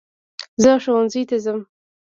زہ ښوونځي ته ځم